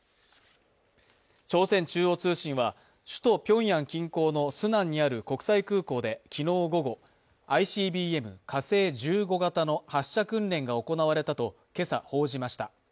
朝鮮中央通信は首都ピョンヤン近郊のスナンにある国際空港で昨日午後、ＩＣＢＭ、火星１５型の発射訓練が行われたと、今朝報じました。